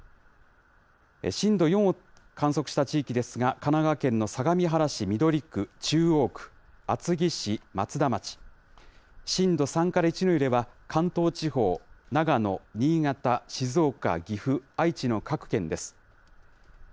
震度４を観測した地域ですが、神奈川県の相模原市緑区、中央区、厚木市、松田町、震度３から１の揺れは、関東地方、長野、新潟、静岡、岐阜、愛知の各県です。